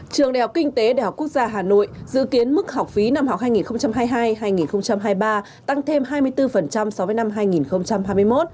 trường đại học kinh tế đại học quốc gia hà nội dự kiến mức học phí năm học hai nghìn hai mươi hai hai nghìn hai mươi ba tăng thêm hai mươi bốn so với năm hai nghìn hai mươi một